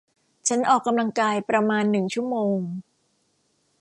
ฉันออกกำลังกายประมาณหนึ่งชั่วโมง